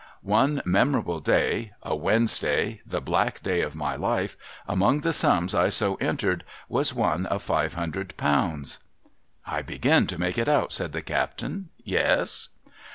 One memorable day, — a A\'ednesday, the black day of my life, — among the sums I so entered was one of five hundred pounds.' ' I begin to make it out,' said the captain. ' Yes